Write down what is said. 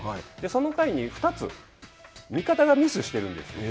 その回に２つ味方がミスをしているんです。